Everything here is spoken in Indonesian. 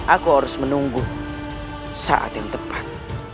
aku harus menunggu saat yang tepat